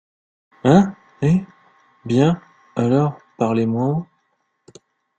Hein !… eh ! bien, alors, parlez moins haut !